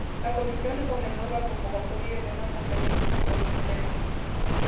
La comisión recomendó la convocatoria de una conferencia sobre estos temas.